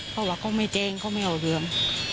เขาว่าเขาไม่เจ็งเขาไม่เอาเหลือง